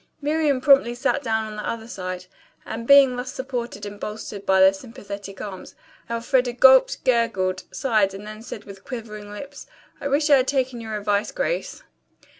Miriam promptly sat down on the other side, and being thus supported and bolstered by their sympathetic arms, Elfreda gulped, gurgled, sighed and then said with quivering lips, "I wish I had taken your advice, Grace."